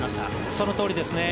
そのとおりですね。